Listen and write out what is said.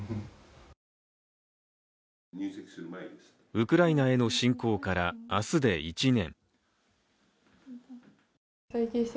ウクライナへの侵攻から明日で１年。